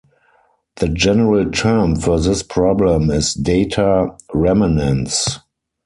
The general term for this problem is data remanence.